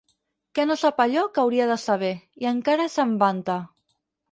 Que no sap allò que hauria de saber, i encara se'n vanta.